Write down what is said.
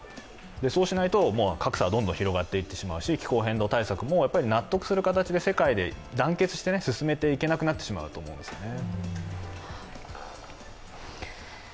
そうしないと格差はどんどん広がっていってしまうし気候変動対策も納得する形で世界で団結して進めていけなくなってしまうと思うんですよね。